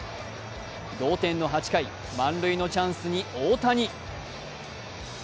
同点の８回、満塁のチャンスに大谷。